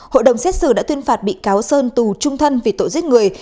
hội đồng xét xử đã tuyên phạt bị cáo sơn tù trung thân vì tội giết người